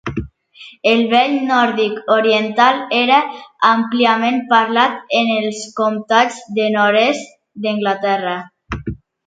El vell nòrdic oriental era àmpliament parlat en els comtats del nord-est d'Anglaterra.